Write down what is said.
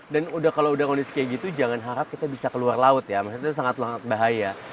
dan kalau sudah kondisi kayak gitu jangan harap kita bisa keluar laut ya maksudnya sangat sangat bahaya